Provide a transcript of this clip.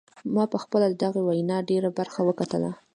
ما پخپله د دغې وینا ډیره برخه وکتله.